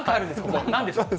ここ、なんでしょう？